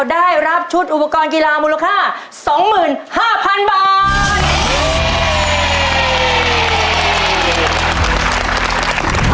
ได้รับชุดอุปกรณ์กีฬามูลค่า๒๕๐๐๐บาท